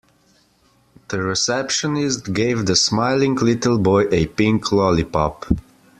The receptionist gave the smiling little boy a pink lollipop.